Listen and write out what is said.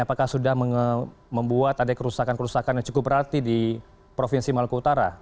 apakah sudah membuat ada kerusakan kerusakan yang cukup berarti di provinsi maluku utara